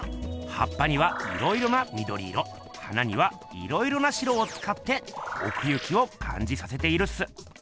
はっぱにはいろいろなみどり色花にはいろいろな白をつかっておく行きをかんじさせているっす。